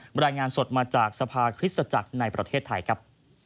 รายงานสดมาจากสภาคริสตจักรในประเทศไทยครับ